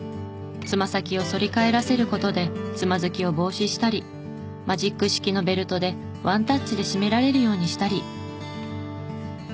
つま先を反り返らせる事でつまずきを防止したりマジック式のベルトでワンタッチで締められるようにしたり。